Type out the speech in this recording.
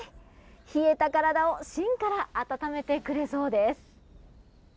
冷えた体を芯から温めてくれそうです。